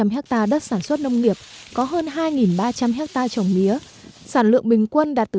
hectare đất sản xuất nông nghiệp có hơn hai ba trăm linh hectare trồng mía sản lượng bình quân đạt từ năm mươi năm mươi năm